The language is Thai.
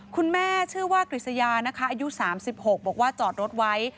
คุณแม่ชื่อว่ากฤษยานะคะอายุ๓๖บอกว่าจอดรถไว้